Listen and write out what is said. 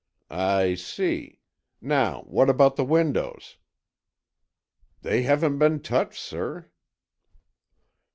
"I see. Now what about the windows?" "They haven't been touched, sir."